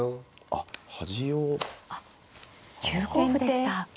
あっ９五歩でした。